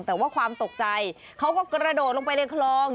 แต่ว่าความตกใจเขาก็กระโดดลงไปในคลอง